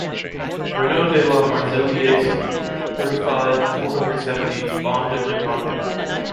Renault de la Marzelière street, thirty five, four hundred seventy, Bain-de-Bretagne